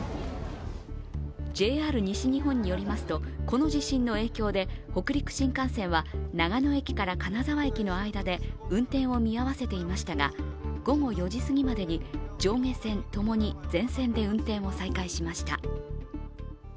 ＪＲ西日本に寄りますとこの地震の影響で北陸新幹線は長野駅から金沢駅の間で運転を見合わせていましたが午後４時すぎまでに上下線ともに全線で運転を再開しました。